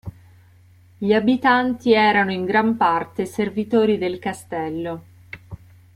Gli abitanti erano in gran parte servitori del castello.